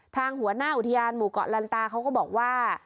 หัวหน้าอุทยานหมู่เกาะลันตาเขาก็บอกว่า